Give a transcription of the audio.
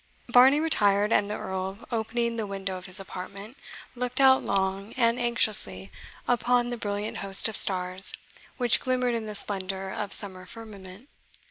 Varney retired, and the Earl, opening the window of his apartment, looked out long and anxiously upon the brilliant host of stars which glimmered in the splendour of a summer firmament.